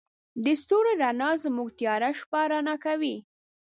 د ستورو رڼا زموږ تیاره شپه رڼا کوي.